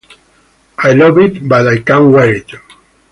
I love it, but I can’t wear it.